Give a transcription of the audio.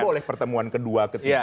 kan boleh pertemuan kedua ketiga